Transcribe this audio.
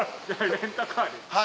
レンタカー。